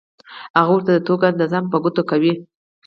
هغه ورته د توکو اندازه هم په ګوته کوي